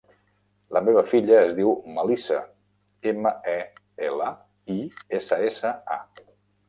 La meva filla es diu Melissa: ema, e, ela, i, essa, essa, a.